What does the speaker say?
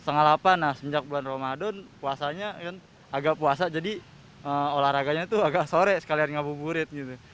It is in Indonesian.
nah semenjak bulan ramadan puasanya kan agak puasa jadi olahraganya itu agak sore sekalian ngabuburit gitu